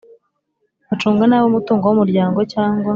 bacunga nabi umutungo w Umuryango cyangwa